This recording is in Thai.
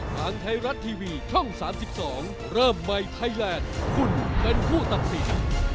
ทางไทยรัฐทีวีช่อง๓๒เริ่มใหม่ไทยแลนด์คุณเป็นผู้ตัดสิน